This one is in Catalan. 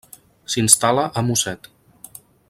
S'instal·la a Mosset.